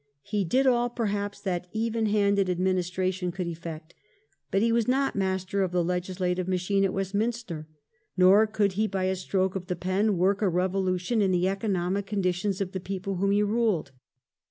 He did all perhaps that even handed administration could effect. But he was not master of the legislative machine at Westminster ; nor could he by a stroke of the pen work a revolution in the economic conditions of the people whom he ruled.